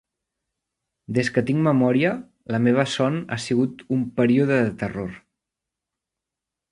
Des de que tinc memòria, la meva son ha sigut un període de terror.